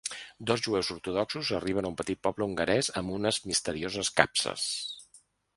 Dos jueus ortodoxos arriben a un petit poble hongarès amb unes misterioses capses.